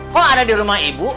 kok ada di rumah ibu